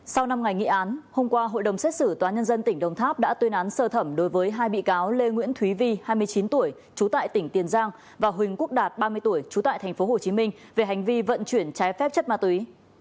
sau năm ngày nghị án hôm qua hội đồng xét xử tòa nhân dân tỉnh đồng tháp đã tuyên án sơ thẩm đối với hai bị cáo lê nguyễn thúy vi hai mươi chín tuổi trú tại tỉnh tiền giang và huỳnh quốc đạt ba mươi tuổi trú tại tp hcm về hành vi vận chuyển trái phép chất ma túy